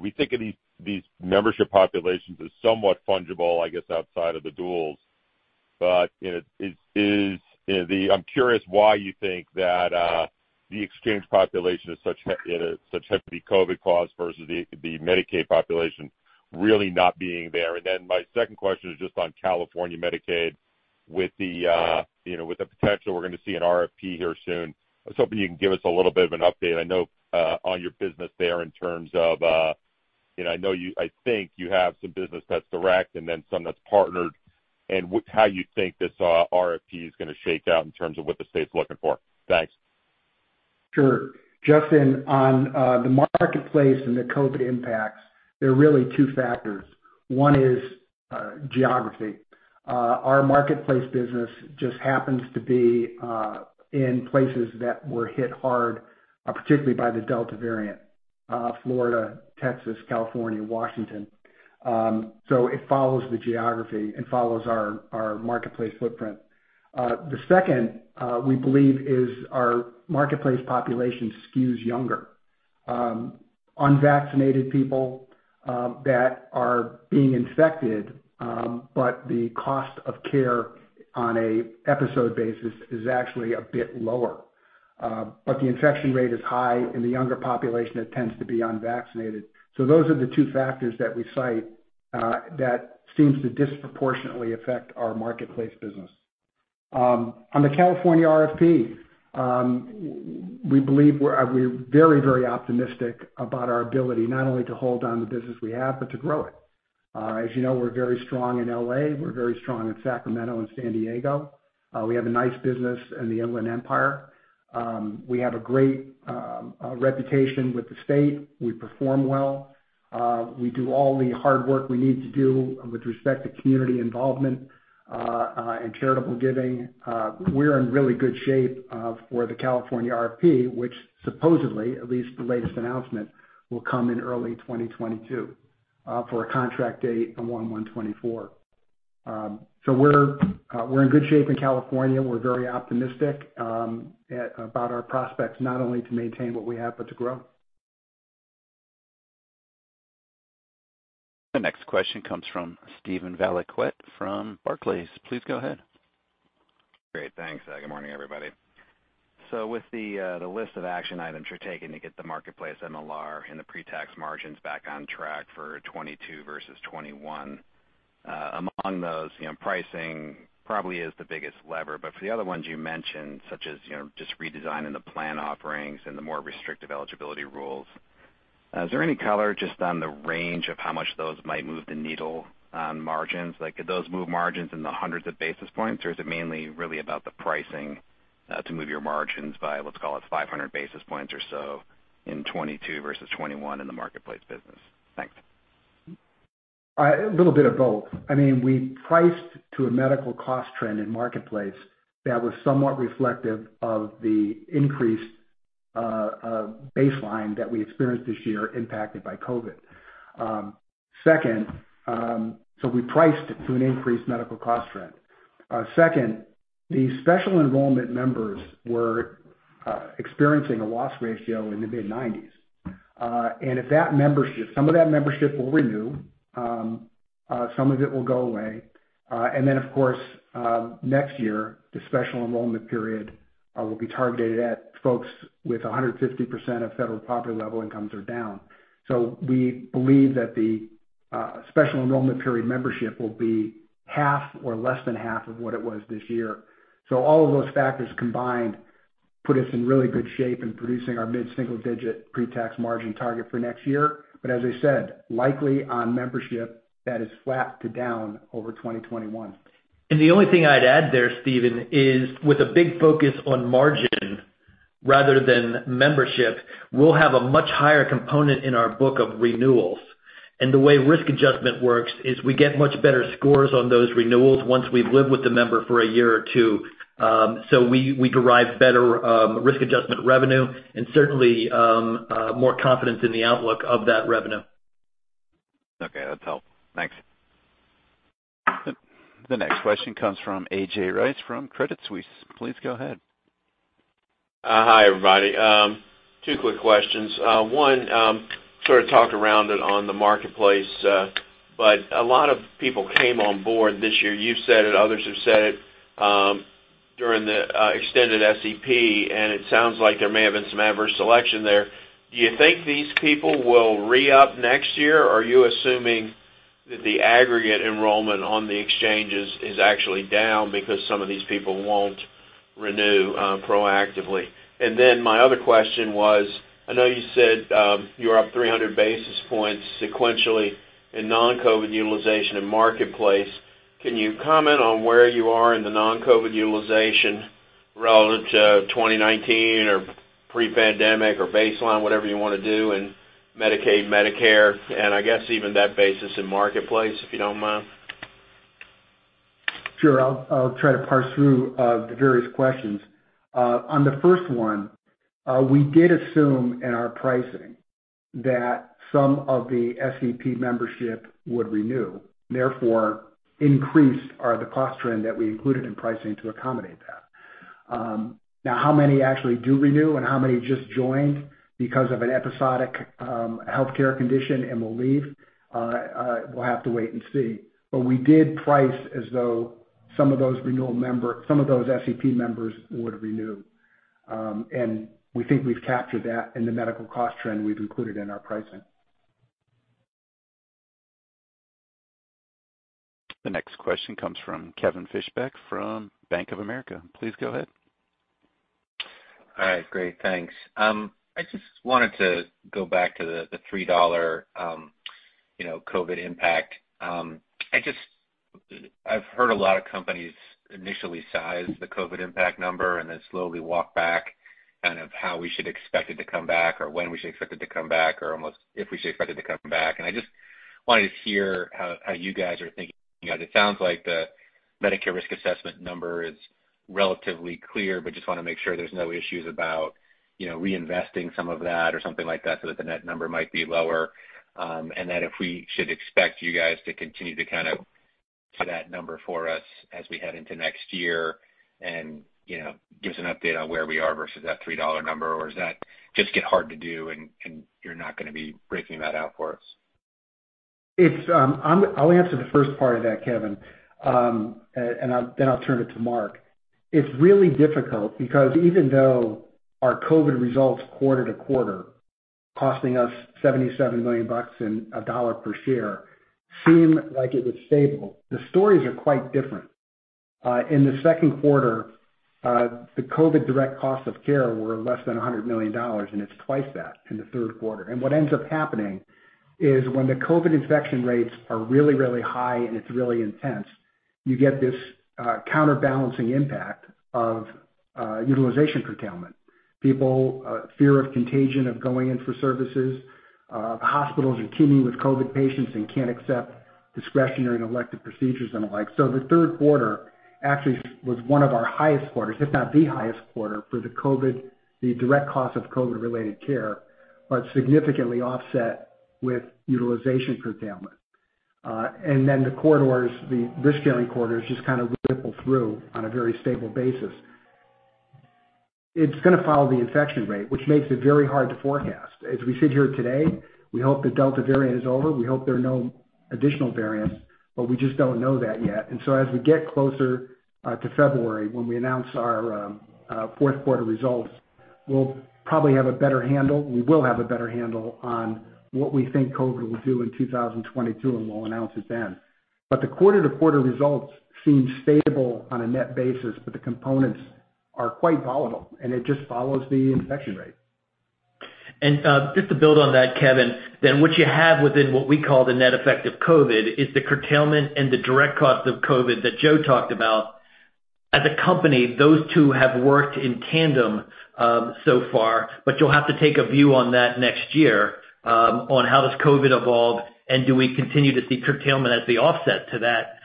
we think of these membership populations as somewhat fungible, I guess, outside of the duals. But I'm curious why you think that the exchange population is such heavy COVID caused versus the Medicaid population really not being there. And then my second question is just on California Medicaid with the potential we're going to see an RFP here soon. I was hoping you can give us a little bit of an update. I know. On your business there in terms of I know I think you have some business that's direct and then some that's partnered. And how you think this RFP is going to shake out in terms of what the state's looking for. Thanks. Sure. Justin, on the Marketplace and the COVID impacts, there are really two factors. One is geography. Our Marketplace business just happens to be in places that were hit hard, particularly by the Delta variant: Florida, Texas, California, Washington. So it follows the geography and follows our Marketplace footprint. The second, we believe, is our Marketplace population skews younger. Unvaccinated people that are being infected, but the cost of care on an episode basis is actually a bit lower. But the infection rate is high in the younger population that tends to be unvaccinated. So those are the two factors that we cite that seem to disproportionately affect our Marketplace business. On the California RFP, we believe we're very, very optimistic about our ability not only to hold on the business we have, but to grow it. As you know, we're very strong in L.A. We're very strong in Sacramento and San Diego. We have a nice business in the Inland Empire. We have a great reputation with the state. We perform well. We do all the hard work we need to do with respect to community involvement and charitable giving. We're in really good shape for the California RFP, which supposedly, at least the latest announcement, will come in early 2022 for a contract date on 1/1/2024. So we're in good shape in California. We're very optimistic about our prospects, not only to maintain what we have, but to grow. The next question comes from Steven Valiquette from Barclays. Please go ahead. Great. Thanks. Good morning, everybody. So with the list of action items you're taking to get the Marketplace MLR and the pre-tax margins back on track for 2022 versus 2021, among those, pricing probably is the biggest lever. But for the other ones you mentioned, such as just redesigning the plan offerings and the more restrictive eligibility rules, is there any color just on the range of how much those might move the needle on margins? Could those move margins in the hundreds of basis points, or is it mainly really about the pricing to move your margins by, let's call it, 500 basis points or so in 2022 versus 2021 in the Marketplace business? Thanks. A little bit of both. I mean, we priced to a medical cost trend in Marketplace that was somewhat reflective of the increased baseline that we experienced this year impacted by COVID. Second, so we priced to an increased medical cost trend. Second, the special enrollment members were experiencing a loss ratio in the mid-90s%. And if that membership, some of that membership will renew. Some of it will go away. And then, of course, next year, the Special Enrollment Period will be targeted at folks with 150% of federal poverty level incomes or down. So we believe that the Special Enrollment Period membership will be half or less than half of what it was this year. So all of those factors combined put us in really good shape in producing our mid-single-digit pre-tax margin target for next year. But as I said, likely on membership that is flat to down over 2021. And the only thing I'd add there, Steven, is with a big focus on margin rather than membership, we'll have a much higher component in our book of renewals. And the way risk adjustment works is we get much better scores on those renewals once we've lived with the member for a year or two. So we derive better risk adjustment revenue and certainly more confidence in the outlook of that revenue. Okay. That's helpful. Thanks. The next question comes from A.J. Rice from Credit Suisse. Please go ahead. Hi, everybody. Two quick questions. One, sort of talk around it on the Marketplace. But a lot of people came on board this year. You've said it. Others have said it during the extended SEP. And it sounds like there may have been some adverse selection there. Do you think these people will re-up next year? Are you assuming that the aggregate enrollment on the exchanges is actually down because some of these people won't renew proactively? And then my other question was, I know you said you're up 300 basis points sequentially in non-COVID utilization and Marketplace. Can you comment on where you are in the non-COVID utilization relative to 2019 or pre-pandemic or baseline, whatever you want to do, and Medicaid, Medicare, and I guess even that basis in Marketplace, if you don't mind? Sure. I'll try to parse through the various questions. On the first one, we did assume in our pricing that some of the SEP membership would renew. Therefore, increased are the cost trend that we included in pricing to accommodate that. Now, how many actually do renew and how many just joined because of an episodic healthcare condition and will leave, we'll have to wait and see. But we did price as though some of those SEP members would renew. And we think we've captured that in the medical cost trend we've included in our pricing. The next question comes from Kevin Fischbeck from Bank of America. Please go ahead. All right. Great. Thanks. I just wanted to go back to the $3 COVID impact. I've heard a lot of companies initially size the COVID impact number and then slowly walk back kind of how we should expect it to come back or when we should expect it to come back or if we should expect it to come back. And I just wanted to hear how you guys are thinking about it. It sounds like the Medicare risk assessment number is relatively clear, but just want to make sure there's no issues about reinvesting some of that or something like that so that the net number might be lower. That if we should expect you guys to continue to kind of do that number for us as we head into next year and give us an update on where we are versus that $3 number, or is that just get hard to do and you're not going to be breaking that out for us? I'll answer the first part of that, Kevin. Then I'll turn it to Mark. It's really difficult because even though our COVID results quarter to quarter costing us $77 million and $1 per share seemed like it was stable, the stories are quite different. In the second quarter, the COVID direct cost of care were less than $100 million, and it's twice that in the third quarter. What ends up happening is when the COVID infection rates are really, really high and it's really intense, you get this counterbalancing impact of utilization curtailment. People's fear of contagion of going in for services, hospitals are teeming with COVID patients and can't accept discretionary and elective procedures and the like. The third quarter actually was one of our highest quarters, if not the highest quarter for the direct cost of COVID-related care, but significantly offset with utilization curtailment. Then the risk-sharing corridors just kind of ripple through on a very stable basis. It's going to follow the infection rate, which makes it very hard to forecast. As we sit here today, we hope the Delta variant is over. We hope there are no additional variants, but we just don't know that yet. And so as we get closer to February when we announce our fourth quarter results, we'll probably have a better handle, we will have a better handle on what we think COVID will do in 2022, and we'll announce it then. But the quarter to quarter results seem stable on a net basis, but the components are quite volatile, and it just follows the infection rate. And just to build on that, Kevin, then what you have within what we call the net effect of COVID is the curtailment and the direct cost of COVID that Joe talked about. As a company, those two have worked in tandem so far, but you'll have to take a view on that next year on how does COVID evolve, and do we continue to see curtailment as the offset to that?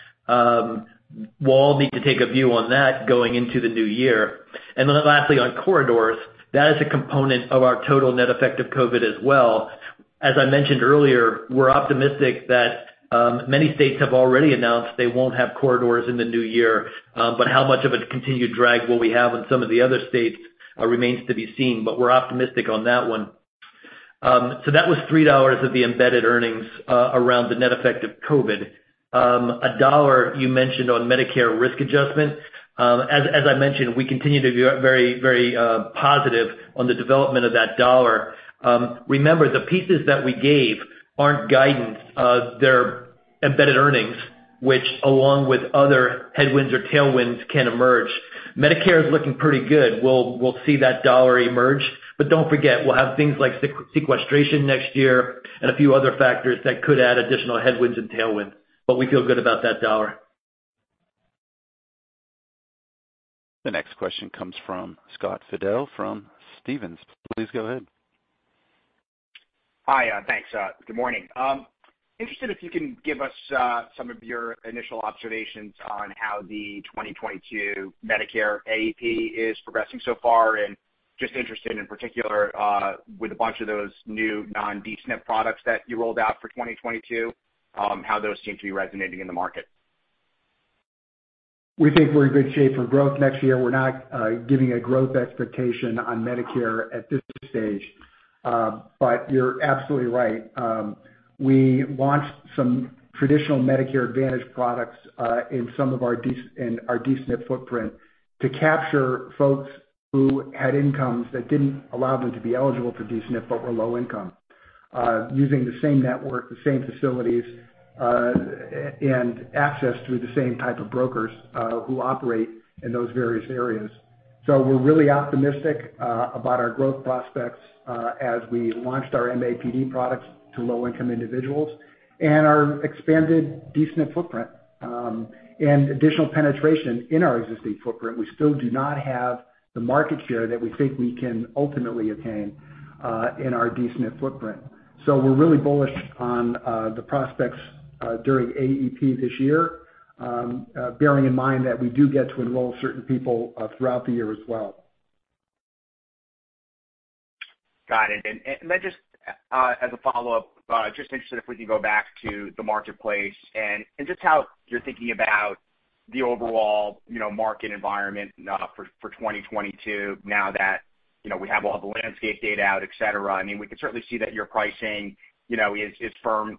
We'll all need to take a view on that going into the new year, and then lastly, on corridors, that is a component of our total net effect of COVID as well. As I mentioned earlier, we're optimistic that many states have already announced they won't have corridors in the new year, but how much of a continued drag will we have in some of the other states remains to be seen, but we're optimistic on that one, so that was $3 of the embedded earnings around the net effect of COVID. A dollar you mentioned on Medicare risk adjustment. As I mentioned, we continue to be very, very positive on the development of that dollar. Remember, the pieces that we gave aren't guidance. They're embedded earnings, which along with other headwinds or tailwinds can emerge. Medicare is looking pretty good. We'll see that dollar emerge. But don't forget, we'll have things like sequestration next year and a few other factors that could add additional headwinds and tailwinds. But we feel good about that dollar. The next question comes from Scott Fidel from Stephens. Please go ahead. Hi. Thanks. Good morning. Interested if you can give us some of your initial observations on how the 2022 Medicare AEP is progressing so far, and just interested in particular with a bunch of those new non-D-SNP products that you rolled out for 2022, how those seem to be resonating in the market. We think we're in good shape for growth next year. We're not giving a growth expectation on Medicare at this stage. But you're absolutely right. We launched some traditional Medicare Advantage products in some of our D-SNP footprint to capture folks who had incomes that didn't allow them to be eligible for D-SNP, but were low income, using the same network, the same facilities, and access through the same type of brokers who operate in those various areas. So we're really optimistic about our growth prospects as we launched our MAPD products to low-income individuals and our expanded D-SNP footprint and additional penetration in our existing footprint. We still do not have the market share that we think we can ultimately attain in our D-SNP footprint. So we're really bullish on the prospects during AEP this year, bearing in mind that we do get to enroll certain people throughout the year as well. Got it. Then just as a follow-up, just interested if we can go back to the Marketplace and just how you're thinking about the overall market environment for 2022 now that we have all the landscape data out, etc. I mean, we can certainly see that your pricing is firm,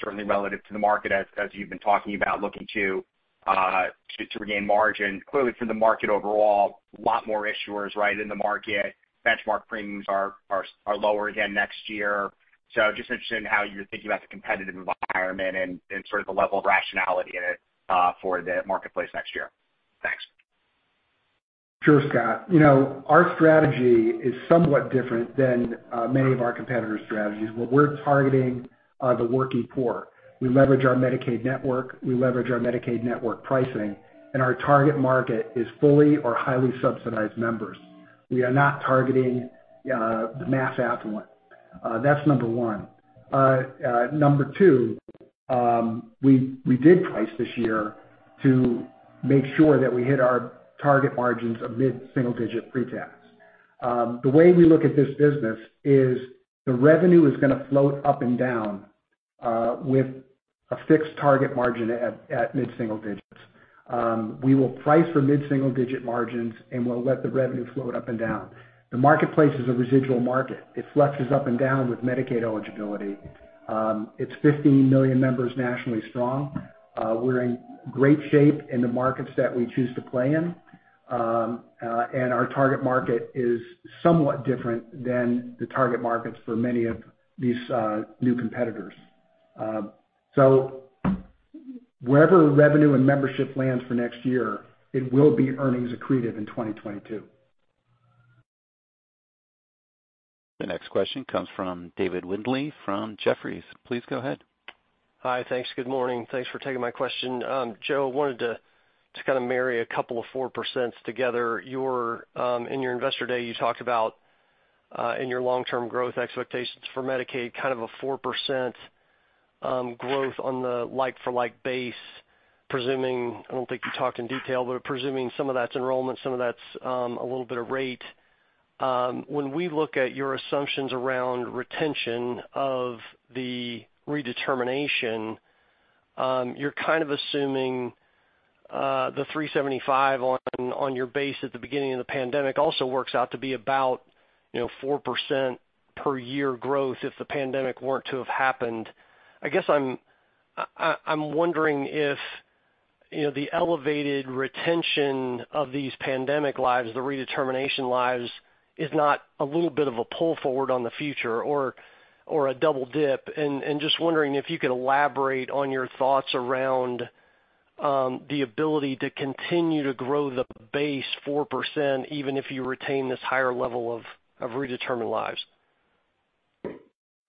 certainly relative to the market as you've been talking about looking to regain margin. Clearly, for the market overall, a lot more issuers right in the market. Benchmark premiums are lower again next year. So just interested in how you're thinking about the competitive environment and sort of the level of rationality in it for the Marketplace next year. Thanks. Sure, Scott. Our strategy is somewhat different than many of our competitors' strategies. What we're targeting are the working poor. We leverage our Medicaid network. We leverage our Medicaid network pricing. And our target market is fully or highly subsidized members. We are not targeting the mass affluent. That's number one. Number two, we did price this year to make sure that we hit our target margins of mid-single-digit pre-tax. The way we look at this business is the revenue is going to float up and down with a fixed target margin at mid-single digits. We will price for mid-single-digit margins, and we'll let the revenue float up and down. The Marketplace is a residual market. It flexes up and down with Medicaid eligibility. It's 15 million members nationally strong. We're in great shape in the markets that we choose to play in. And our target market is somewhat different than the target markets for many of these new competitors. So wherever revenue and membership lands for next year, it will be earnings accretive in 2022. The next question comes from David Windley from Jefferies. Please go ahead. Hi. Thanks. Good morning. Thanks for taking my question. Joe wanted to kind of marry a couple of 4% together. In your Investor Day, you talked about in your long-term growth expectations for Medicaid, kind of a 4% growth on the like-for-like base, presuming I don't think you talked in detail, but presuming some of that's enrollment, some of that's a little bit of rate. When we look at your assumptions around retention of the redetermination, you're kind of assuming the 375 on your base at the beginning of the pandemic also works out to be about 4% per year growth if the pandemic were to have happened. I guess I'm wondering if the elevated retention of these pandemic lives, the redetermination lives, is not a little bit of a pull forward on the future or a double dip. Just wondering if you could elaborate on your thoughts around the ability to continue to grow the base 4% even if you retain this higher level of redetermined lives.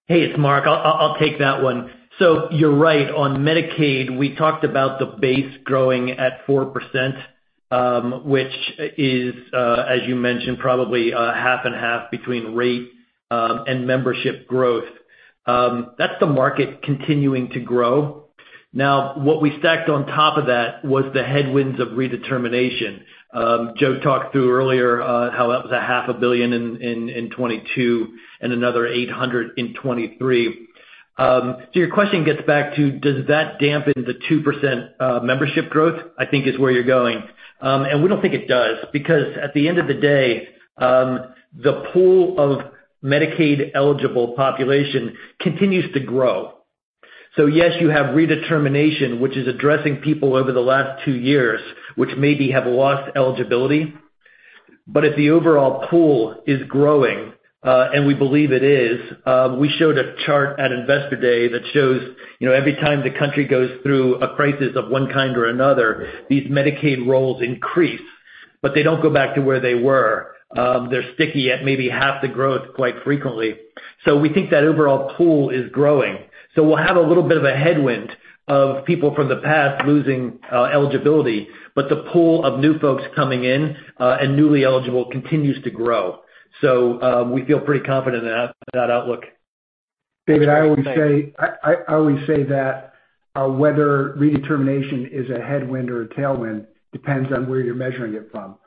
Hey, it's Mark. I'll take that one. So you're right. On Medicaid, we talked about the base growing at 4%, which is, as you mentioned, probably half and half between rate and membership growth. That's the market continuing to grow. Now, what we stacked on top of that was the headwinds of redetermination. Joe talked through earlier how that was $500 million in 2022 and another $800 million in 2023. So your question gets back to, does that dampen the 2% membership growth? I think is where you're going. We don't think it does because at the end of the day, the pool of Medicaid-eligible population continues to grow. So yes, you have redetermination, which is addressing people over the last two years, which maybe have lost eligibility. But if the overall pool is growing, and we believe it is, we showed a chart at investor day that shows every time the country goes through a crisis of one kind or another, these Medicaid rolls increase, but they don't go back to where they were. They're sticky at maybe half the growth quite frequently. So we think that overall pool is growing. So we'll have a little bit of a headwind of people from the past losing eligibility, but the pool of new folks coming in and newly eligible continues to grow. So we feel pretty confident in that outlook. David, I always say that whether redetermination is a headwind or a tailwind depends on where you're measuring it from.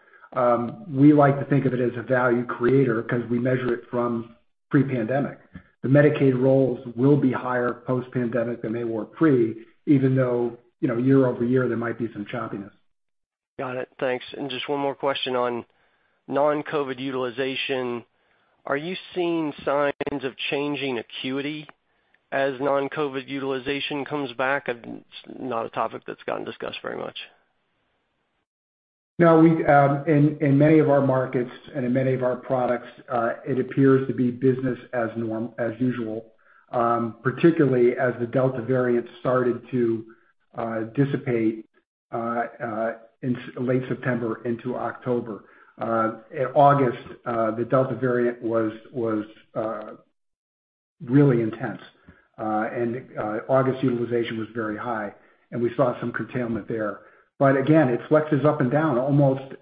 We like to think of it as a value creator because we measure it from pre-pandemic. The Medicaid rolls will be higher post-pandemic than they were pre, even though year over year, there might be some choppiness. Got it. Thanks. And just one more question on non-COVID utilization. Are you seeing signs of changing acuity as non-COVID utilization comes back? It's not a topic that's gotten discussed very much. No. In many of our markets and in many of our products, it appears to be business as usual, particularly as the Delta variant started to dissipate in late September into October. In August, the Delta variant was really intense, and August utilization was very high, and we saw some curtailment there. But again, it flexes up and down almost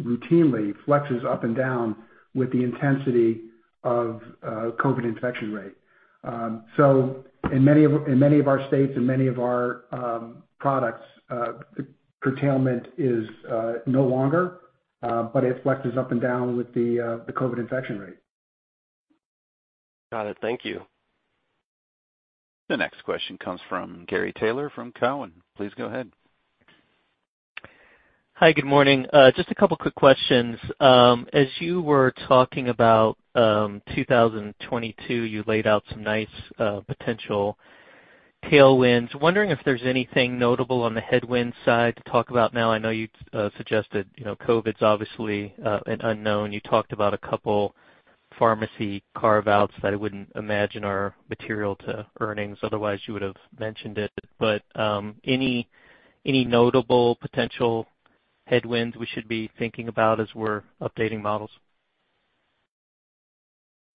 routinely, flexes up and down with the intensity of COVID infection rate. So, in many of our states and many of our products, the curtailment is no longer, but it flexes up and down with the COVID infection rate. Got it. Thank you. The next question comes from Gary Taylor from Cowen. Please go ahead. Hi. Good morning. Just a couple of quick questions. As you were talking about 2022, you laid out some nice potential tailwinds. Wondering if there's anything notable on the headwind side to talk about now. I know you suggested COVID's obviously an unknown. You talked about a couple of pharmacy carve-outs that I wouldn't imagine are material to earnings. Otherwise, you would have mentioned it. But any notable potential headwinds we should be thinking about as we're updating models?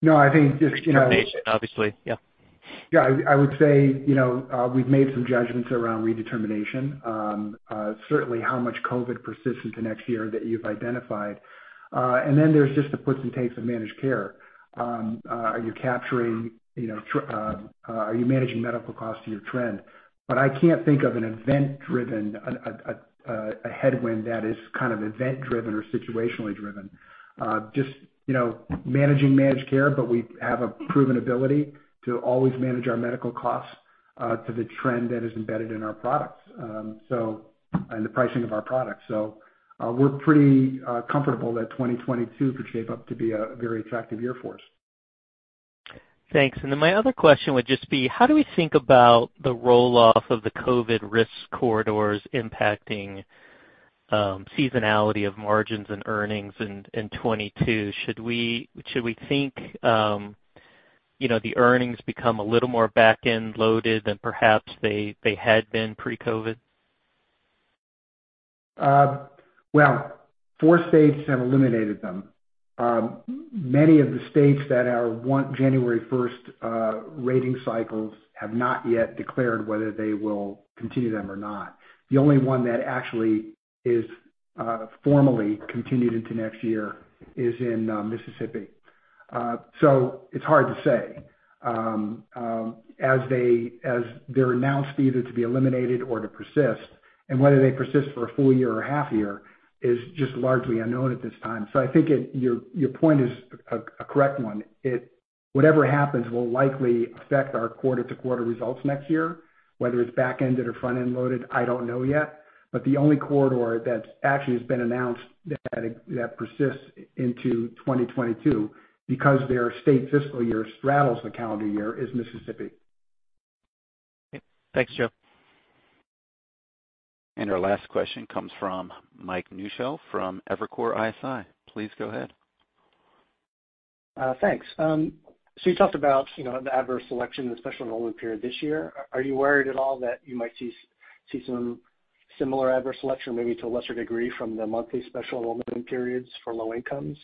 No. I think just. Obviously. Yeah. Yeah. I would say we've made some judgments around redetermination, certainly how much COVID persists into next year that you've identified. There are just the puts and takes of managed care. Are you capturing? Are you managing medical costs to your trend? I cannot think of an event-driven headwind that is kind of event-driven or situationally driven. Just managing managed care, but we have a proven ability to always manage our medical costs to the trend that is embedded in our products and the pricing of our products. We are pretty comfortable that 2022 could shape up to be a very attractive year for us. Thanks. My other question would just be, how do we think about the roll-off of the COVID risk corridors impacting seasonality of margins and earnings in 2022? Should we think the earnings become a little more back-end loaded than perhaps they had been pre-COVID? Four states have eliminated them. Many of the states that are January 1st rating cycles have not yet declared whether they will continue them or not. The only one that actually is formally continued into next year is in Mississippi. So it's hard to say. As they're announced either to be eliminated or to persist, and whether they persist for a full year or half year is just largely unknown at this time. So I think your point is a correct one. Whatever happens will likely affect our quarter-to-quarter results next year, whether it's back-ended or front-end loaded. I don't know yet. But the only corridor that actually has been announced that persists into 2022 because their state fiscal year straddles the calendar year is Mississippi. Thanks, Joe. And our last question comes from Mike Newshel from Evercore ISI. Please go ahead. Thanks. You talked about the adverse selection in the Special Enrollment Period this year. Are you worried at all that you might see some similar adverse selection, maybe to a lesser degree, from the monthly Special Enrollment Periods for low incomes?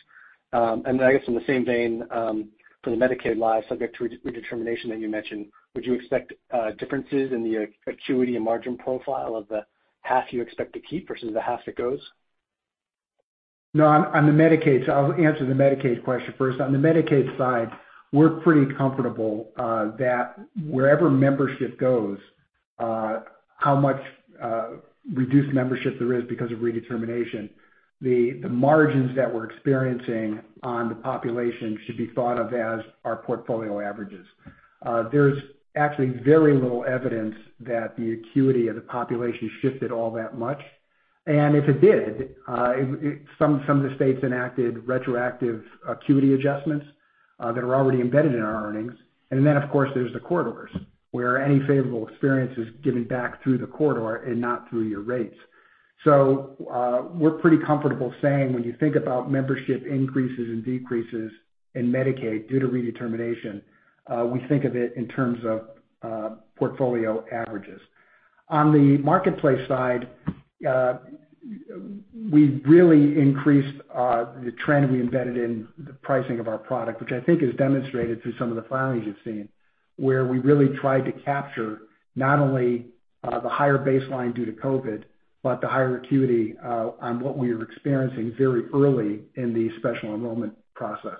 And then I guess in the same vein, for the Medicaid lives subject to redetermination that you mentioned, would you expect differences in the acuity and margin profile of the half you expect to keep versus the half that goes? No. On the Medicaid side, I'll answer the Medicaid question first. On the Medicaid side, we're pretty comfortable that wherever membership goes, how much reduced membership there is because of redetermination, the margins that we're experiencing on the population should be thought of as our portfolio averages. There's actually very little evidence that the acuity of the population shifted all that much. If it did, some of the states enacted retroactive acuity adjustments that are already embedded in our earnings. Then, of course, there's the corridors where any favorable experience is given back through the corridor and not through your rates. We're pretty comfortable saying when you think about membership increases and decreases in Medicaid due to redetermination, we think of it in terms of portfolio averages. On the Marketplace side, we really increased the trend we embedded in the pricing of our product, which I think is demonstrated through some of the findings you've seen, where we really tried to capture not only the higher baseline due to COVID, but the higher acuity on what we were experiencing very early in the special enrollment process.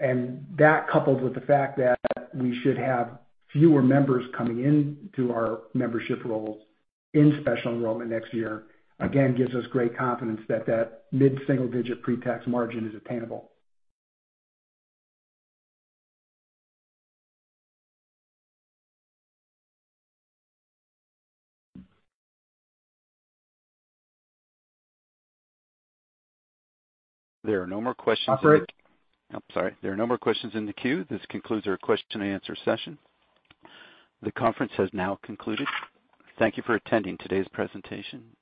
And that, coupled with the fact that we should have fewer members coming into our membership roles in special enrollment next year, again, gives us great confidence that that mid-single-digit pre-tax margin is attainable. There are no more questions in the. I'm sorry. I'm sorry. There are no more questions in the queue. This concludes our question-and-answer session. The conference has now concluded. Thank you for attending today's presentation.